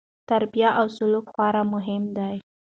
تربیه او سلوک خورا مهم دي.